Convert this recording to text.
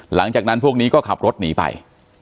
หลังจากนั้นพวกนี้ก็ขับรถหนีไป